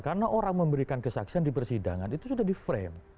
karena orang memberikan kesaksian di persidangan itu sudah di frame